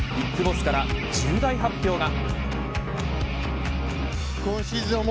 ＢＩＧＢＯＳＳから重大発表が。